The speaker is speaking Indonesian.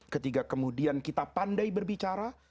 ketika kemudian kita pandai berbicara